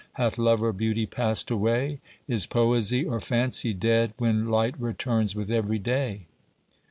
Hath Love or Beauty passed away? Is poesy or fancy dead, When light returns with every day?